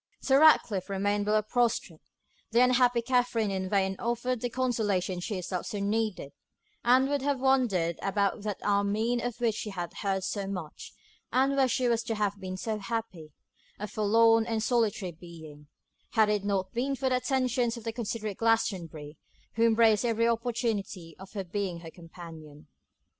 Sir Ratcliffe remained below prostrate. The unhappy Katherine in vain offered the consolation she herself so needed; and would have wandered about that Armine of which she had heard so much, and where she was to have been so happy, a forlorn and solitary being, had it not been for the attentions of the considerate Glastonbury, who embraced every opportunity of being her companion.